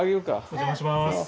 お邪魔します。